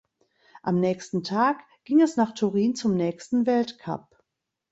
Am nächsten Tag ging es nach Turin zum nächsten Weltcup.